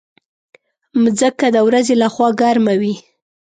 مځکه د ورځې له خوا ګرمه وي.